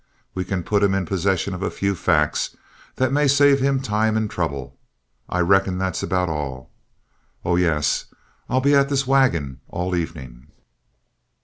We can put him in possession of a few facts that may save him time and trouble. I reckon that's about all. Oh, yes, I'll be at this wagon all evening."